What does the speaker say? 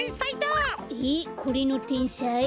えこれのてんさい？